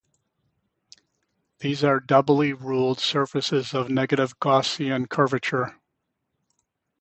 These are doubly ruled surfaces of negative Gaussian curvature.